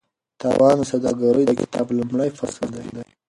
تاوان د سوداګرۍ د کتاب لومړی فصل دی.